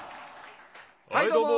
はいどうも！